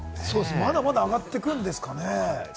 まだまだ上がっていくんですかね？